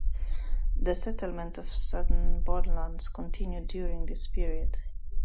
The settlement of southern borderlands continued during this period.